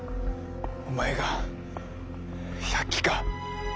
お前が百鬼か。